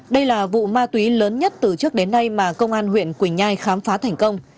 đây là vụ ma túy lớn nhất từ trước đến nay mà công an huyện quỳnh nhai khám phá thành công